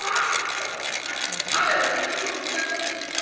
やっぱりさっきのたねのなきごえでございますですよ！